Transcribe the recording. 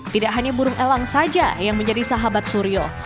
tidak hanya burung elang saja yang menjadi sahabat suryo